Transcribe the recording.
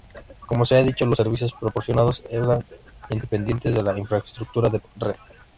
Como se ha dicho, los servicios proporcionados serán independientes de la infraestructura de red.